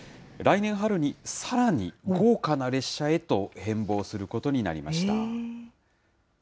来年春にさらに豪華な列車へと変貌を遂げることになりました。